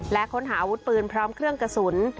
และค้นหาอาวุธปืนพร้อมเครื่องกระสุน